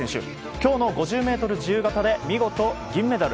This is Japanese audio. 今日の５０ｍ自由形で見事、銀メダル。